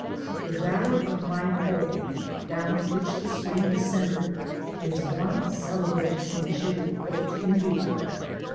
The valley of Maypo, down which the stream descended, is one celebrated in Chili for its beauty.